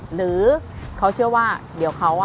หรือเขาเชื่อว่าเดี๋ยวเขา